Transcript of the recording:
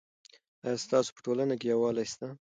آیا ستاسو په ټولنه کې یووالی سته؟